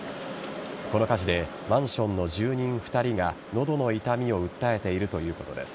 この火事でマンションの住人２人が喉の痛みを訴えているということです。